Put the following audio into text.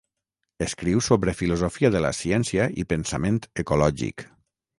Escriu sobre filosofia de la ciència i pensament ecològic.